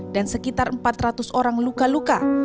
dan sekitar empat ratus orang luka luka